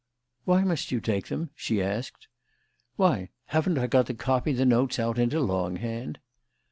"Why must you take them?" she asked. "Why, haven't I got to copy the notes out into longhand?"